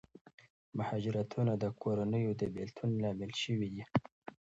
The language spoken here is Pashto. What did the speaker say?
مهاجرتونه د کورنیو د بېلتون لامل شوي دي.